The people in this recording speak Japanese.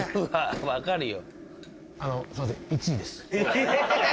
分かるよ。